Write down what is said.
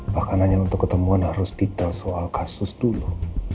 bahkan hanya untuk ketemuan harus detail soal kasus dulu